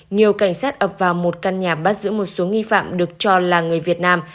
nhiều cảnh sát ập vào một căn nhà bắt giữ một số nghi phạm được cho là người việt nam